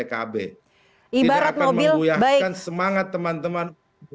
tidak akan menggoyahkan semangat teman teman